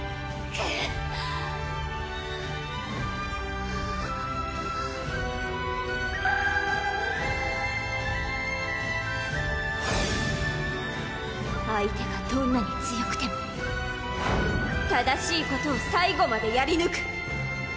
クッ相手がどんなに強くても正しいことを最後までやりぬく